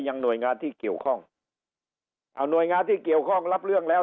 หน่วยงานที่เกี่ยวข้องเอาหน่วยงานที่เกี่ยวข้องรับเรื่องแล้ว